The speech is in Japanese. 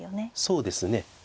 そうですね。